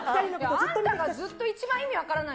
あなたが一番意味分からない